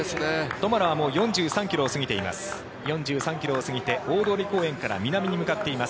トマラはもう４３ｋｍを過ぎています。